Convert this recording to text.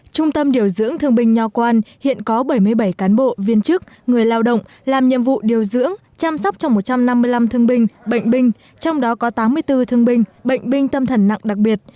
trung tâm điều dưỡng thương binh nho quan hiện có bảy mươi bảy cán bộ viên chức người lao động làm nhiệm vụ điều dưỡng chăm sóc cho một trăm năm mươi năm thương binh bệnh binh trong đó có tám mươi bốn thương binh bệnh binh tâm thần nặng đặc biệt